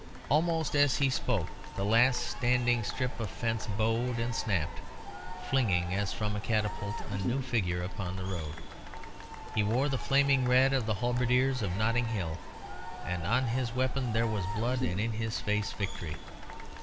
Almost as he spoke, the last standing strip of fence bowed and snapped, flinging, as from a catapult, a new figure upon the road. He wore the flaming red of the halberdiers of Notting Hill, and on his weapon there was blood, and in his face victory.